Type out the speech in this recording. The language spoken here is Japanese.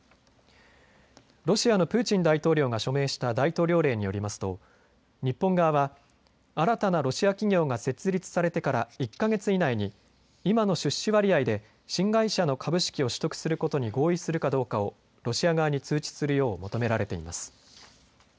ロシアのプーチン大統領が署名した大統領令によりますと日本側は新たなロシア企業が設立されてから１か月以内に今の出資割合で新会社の株式を取得することに合意するかどうかをロシア側に通知するよう求められています。